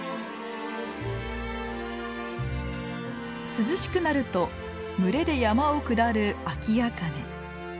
涼しくなると群れで山を下るアキアカネ。